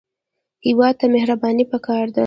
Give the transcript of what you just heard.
هېواد ته مهرباني پکار ده